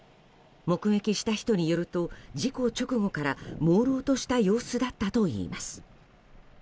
目撃した人によると事故直後から朦朧とした様子だったといいます。